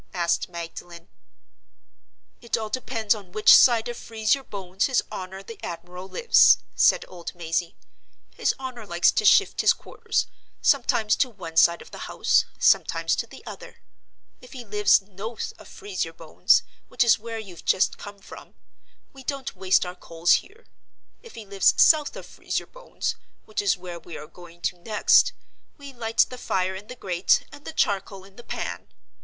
asked Magdalen. "It all depends on which side of Freeze your Bones his honor the admiral lives," said old Mazey. "His honor likes to shift his quarters, sometimes to one side of the house, sometimes to the other. If he lives Noathe of Freeze your Bones—which is where you've just come from—we don't waste our coals here. If he lives South of Freeze your Bones—which is where we are going to next—we light the fire in the grate and the charcoal in the pan.